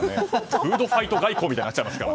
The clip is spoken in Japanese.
フードファイト外交みたいになりますから。